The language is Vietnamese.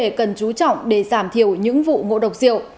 các bệnh viện cần chú trọng để giảm thiểu những vụ ngộ độc diệu